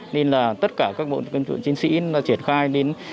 nên là tất cả các bộ chiến sĩ triển khai